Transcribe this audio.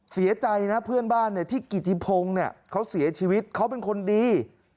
เสียใจนะเพื่อนบ้านที่กิติพงศ์เขาเสียชีวิตเขาเป็นคนดี